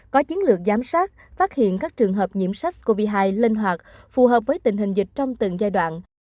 có chiến lược giám sát phát hiện các trường hợp nhiễm sách covid một mươi chín linh hoạt phù hợp với tình hình dịch trong từng giai đoạn